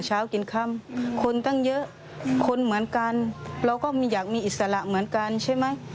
เหมือนกันเราก็อยากมีอิสระเหมือนกันใช่ไหม